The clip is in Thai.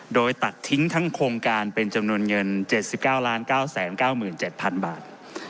โดยตัดทิ้งทั้งโครงการเป็นจำนวนเงิน๗๙๙๙๗๐๐บาท